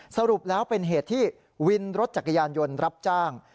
สรุปแล้วเป็นเหตุที่วินรถจักรยานยนต์รับจ้าง